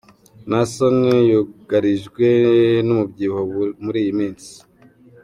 Naason yugarijwe n'umubyibuho muri iyi minsi.